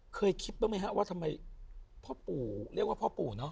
เคยคิดบ้างไหมฮะว่าทำไมพ่อปู่เรียกว่าพ่อปู่เนอ